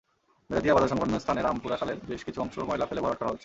মেরাদিয়া বাজার-সংলগ্ন স্থানে রামপুরা খালের বেশ কিছু অংশ ময়লা ফেলে ভরাট করা হচ্ছে।